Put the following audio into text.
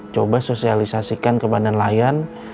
coba sosialisasikan ke bandan layan